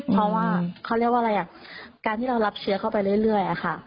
เพราะว่าเขาเรียกว่าอะไรอ่ะการที่เรารับเชื้อเข้าไปเรื่อยค่ะ